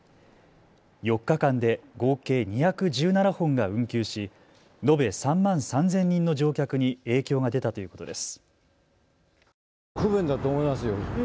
４日間で合計２１７本が運休し延べ３万３０００人の乗客に影響が出たということです。